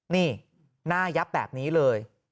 นี่หน้ายับแบบนี้เลย